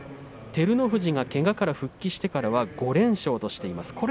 照ノ富士がけがから復帰してからは５連勝としています。